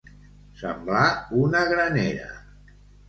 Semblar una granera.